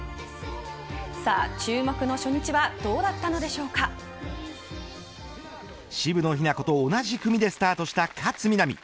さあ、注目の初日は渋野日向子と同じ組でスタートした勝みなみ。